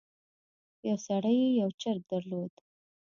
یو سړي یو چرګ درلود.